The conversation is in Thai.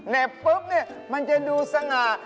เด็บปุ๊บมันจะดูสะงะ